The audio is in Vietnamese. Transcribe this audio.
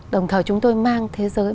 đồng thời chúng tôi mang thế giới